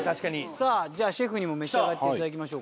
さぁじゃあシェフにも召し上がっていただきましょうか。